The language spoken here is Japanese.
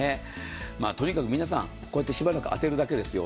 とにかく皆さん、こうやってしばらく当てるだけですよ。